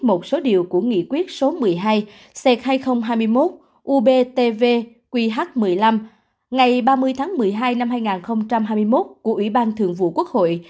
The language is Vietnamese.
một số điều của nghị quyết số một mươi hai c hai nghìn hai mươi một ubtv qh một mươi năm ngày ba mươi tháng một mươi hai năm hai nghìn hai mươi một của ủy ban thường vụ quốc hội